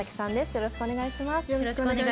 よろしくお願いします。